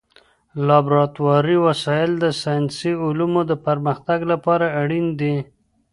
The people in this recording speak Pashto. لابراتواري وسایل د ساینسي علومو د پرمختګ لپاره اړین دي.